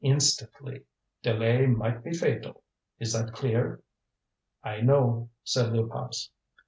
Instantly. Delay might be fatal. Is that clear?" "I know," said Luypas.